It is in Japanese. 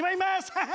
ハハハ